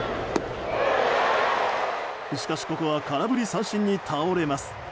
しかしここは空振り三振に倒れます。